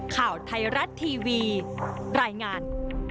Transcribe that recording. ข่าวไทยรัฐทีวีรายงาน